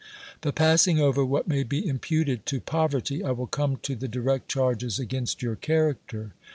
But passing over what may be imputed to pov erty, I will come to the direct charges against your character.